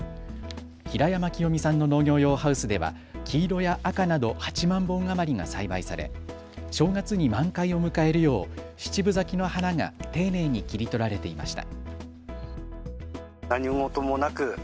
平山清海さんの農業用ハウスでは黄色や赤など８万本余りが栽培され正月に満開を迎えるよう七分咲きの花が丁寧に切り取られていました。